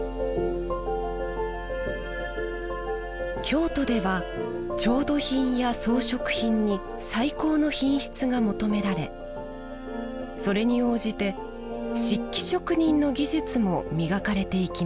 京都では調度品や装飾品に最高の品質が求められそれに応じて漆器職人の技術も磨かれていきました。